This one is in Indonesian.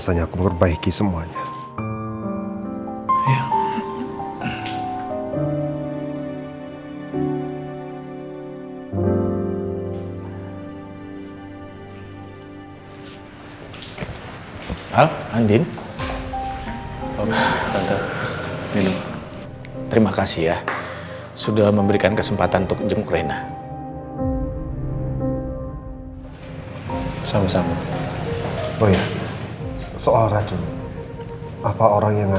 sampai jumpa di video selanjutnya